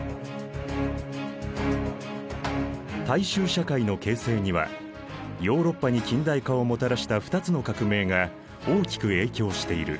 大衆社会の形成にはヨーロッパに近代化をもたらした二つの革命が大きく影響している。